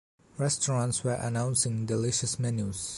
Restaurants were announcing delicious menus.